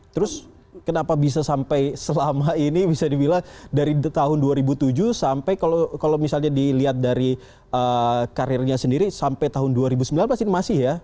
terus kenapa bisa sampai selama ini bisa dibilang dari tahun dua ribu tujuh sampai kalau misalnya dilihat dari karirnya sendiri sampai tahun dua ribu sembilan belas ini masih ya